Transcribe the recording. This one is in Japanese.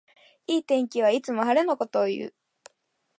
いい天気はいつも晴れのことをいう